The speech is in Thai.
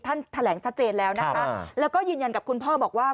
แถลงชัดเจนแล้วนะคะแล้วก็ยืนยันกับคุณพ่อบอกว่า